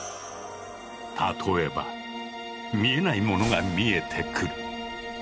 例えば見えないものが見えてくる。